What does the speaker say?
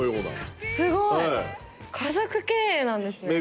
すごい！家族経営なんですね。